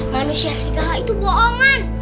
manusia serigala itu bohongan